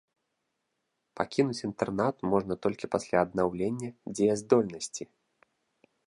Пакінуць інтэрнат можна толькі пасля аднаўлення дзеяздольнасці.